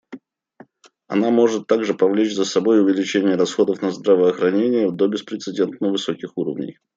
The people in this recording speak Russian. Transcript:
Она может также повлечь за собой увеличение расходов на здравоохранение до беспрецедентно высоких уровней.